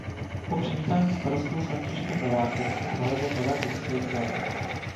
Po přivítání starostou Františkem Novákem si prohlédl nové Městské divadlo.